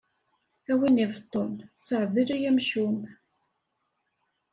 A win ibeṭṭun, ssaɛdel ay amcum!